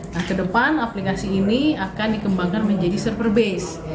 nah ke depan aplikasi ini akan dikembangkan menjadi server base